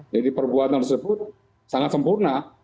jadi perbuatan tersebut sangat sempurna